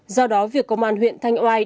do đó việc công an huyện thanh hoài